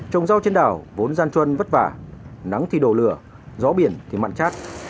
trồng rau trên đảo vốn gian trôn vất vả nắng thì đổ lửa gió biển thì mặn chát